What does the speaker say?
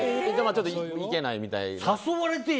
ちょっと行けないみたいな。